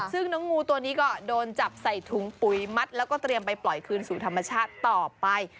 ซึ่งน้องงูตัวนี้ก็โดนจับใส่ถุงปุ๋ยมัดแล้วก็เตรียมไปปล่อยคืนสู่ธรรมชาติต่อไป